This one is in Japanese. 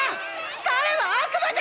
彼は悪魔じゃない！